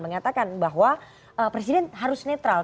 mengatakan bahwa presiden harus netral